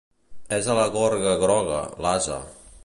És a la gorga groga, l'ase.